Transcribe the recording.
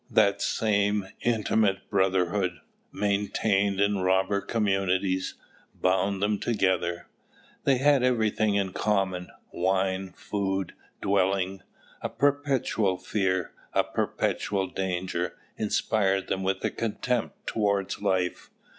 That same intimate brotherhood, maintained in robber communities, bound them together. They had everything in common wine, food, dwelling. A perpetual fear, a perpetual danger, inspired them with a contempt towards life.